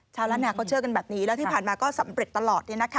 ล้านนาเขาเชื่อกันแบบนี้แล้วที่ผ่านมาก็สำเร็จตลอด